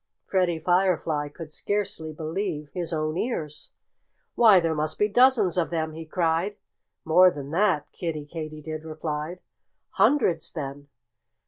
Freddie Firefly could scarcely believe his own ears. "Why, there must be dozens of them!" he cried. "More than that!" Kiddie Katydid replied. "Hundreds, then!"